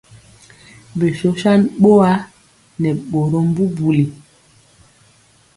Bi shoshan bɔa nɛ bɔrmɔm bubuli.